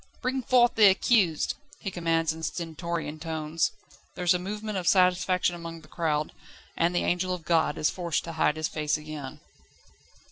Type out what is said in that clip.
"Bring forth the accused!" he commands in stentorian tones. There is a movement of satisfaction among the crowd, and the angel of God is forced to hide his face again.